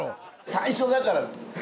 最初だから。